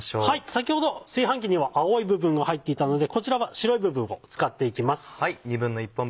先ほど炊飯器には青い部分が入っていたのでこちらは白い部分を使っていきます。